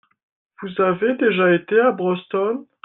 Vous avez déjà été à Boston ?